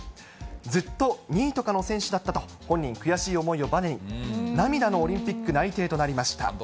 ずっと２位とかの選手だったと、本人、悔しい思いをばねに、涙のオリンピック内定となりました。